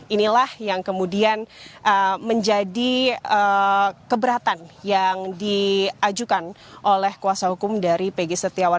inilah yang kemudian menjadi keberatan yang diajukan oleh kuasa hukum dari pg setiawan